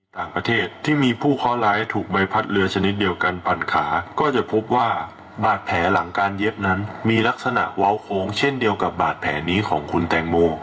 ต่างประเทศที่มีผู้เคาะร้ายถูกใบพัดเรือชนิดเดียวกันปั่นขาก็จะพบว่าบาดแผลหลังการเย็บนั้นมีลักษณะเว้าโค้งเช่นเดียวกับบาดแผลนี้ของคุณแตงโม